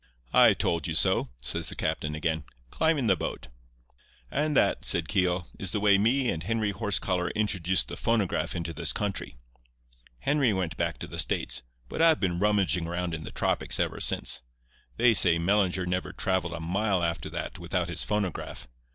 "'I told you so,' says the captain again. 'Climb in the boat.' "And that," said Keogh, "is the way me and Henry Horsecollar introduced the phonograph into this country. Henry went back to the States, but I've been rummaging around in the tropics ever since. They say Mellinger never travelled a mile after that without his phonograph.